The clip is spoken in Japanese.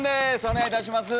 お願いいたします。